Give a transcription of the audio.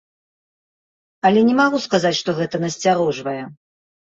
Але не магу сказаць, што гэта насцярожвае.